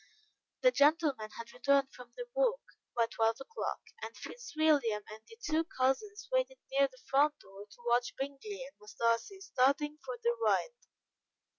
The gentlemen had returned from their walk by twelve o'clock, and Fitzwilliam and the two cousins waited near the front door to watch Bingley and Miss Darcy starting for their ride.